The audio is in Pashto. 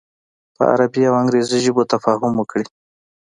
په عربي او انګریزي ژبو تفاهم وکړي.